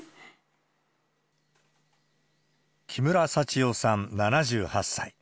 木村幸代さん７８歳。